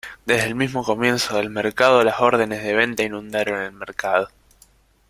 Desde el mismo comienzo del mercado, las órdenes de venta inundaron el mercado.